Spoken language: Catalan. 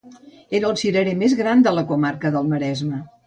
Era el cirerer més gran de la comarca del Maresme.